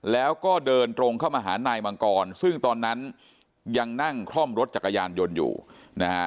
แล้วก็เดินตรงเข้ามาหานายมังกรซึ่งตอนนั้นยังนั่งคล่อมรถจักรยานยนต์อยู่นะฮะ